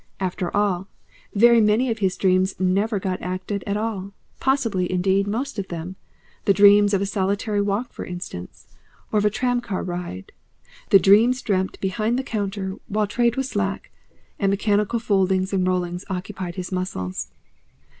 After all, very many of his dreams never got acted at all, possibly indeed, most of them, the dreams of a solitary walk for instance, or of a tramcar ride, the dreams dreamt behind the counter while trade was slack and mechanical foldings and rollings occupied his muscles.